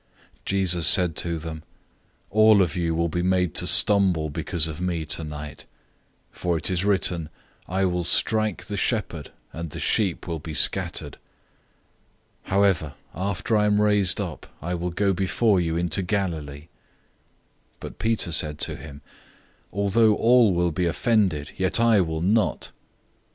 014:027 Jesus said to them, "All of you will be made to stumble because of me tonight, for it is written, 'I will strike the shepherd, and the sheep will be scattered.'{Zechariah 13:7} 014:028 However, after I am raised up, I will go before you into Galilee." 014:029 But Peter said to him, "Although all will be offended, yet I will not."